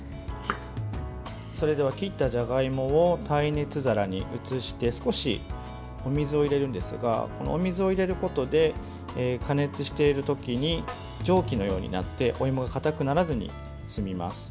それでは、切ったじゃがいもを耐熱皿に移して少しお水を入れるんですがお水を入れることで加熱している時に蒸気のようになってお芋が硬くならずに済みます。